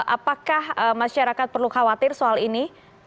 apakah masyarakat perlu khawatir soal ini